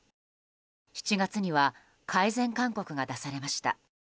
７月には改善勧告が出されました。